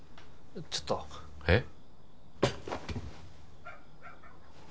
ちょっとえっ？